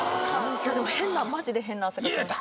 でも変なマジで変な汗かきました